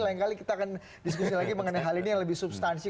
lain kali kita akan diskusi lagi mengenai hal ini yang lebih substansi